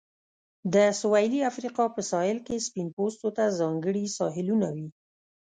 د سویلي افریقا په ساحل کې سپین پوستو ته ځانګړي ساحلونه وې.